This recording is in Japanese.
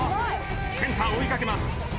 センター追い掛けます。